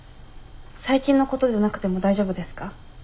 最近のことでなくても大丈夫ですか？